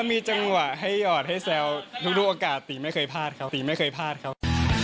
ถ้ามีจังหวะให้หยอดให้แซวทุกโอกาสตีไม่เคยพลาดครับ